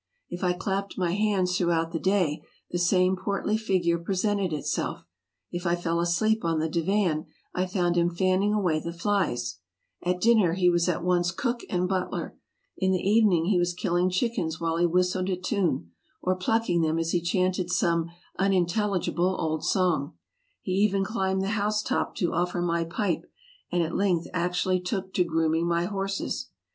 If I clapped my hands throughout the day, the same portly figure presented itself; if I fell asleep on the divan, I found him fanning away the flies ; at dinner he was at once cook and butler; in the even ing he was killing chickens while he whistled a tune, or plucking them as he chanted some unintelligible old song; he even climbed the housetop to offer my pipe, and at length actually took to grooming my horses.